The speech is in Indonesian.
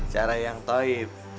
cara yang toib